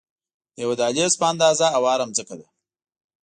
د یوه دهلیز په اندازه هواره ځمکه ده.